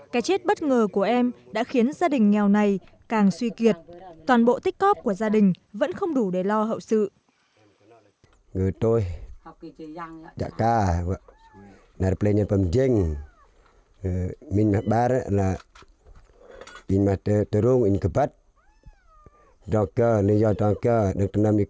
cái chết bất ngờ của em đã khiến gia đình nghèo này càng suy kiệt toàn bộ tích cóp của gia đình vẫn không đủ để lo hậu sự